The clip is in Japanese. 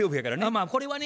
まあこれはね。